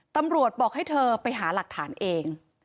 ตำรวจบอกให้เธอไปหาหลักฐานเอง